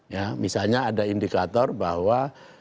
ya misalnya ada indikator bahwa